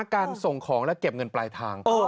การส่งของและเก็บเงินปลายทาง